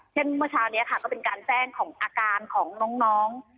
เช่นเมื่อชาวนี้ก็เป็นการแจ้งของอาการของน้อง